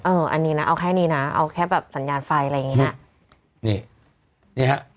อันนี้นะเอาแค่นี้นะเอาแค่แบบสัญญาณไฟอะไรอย่างเงี้ยนี่นี่ฮะ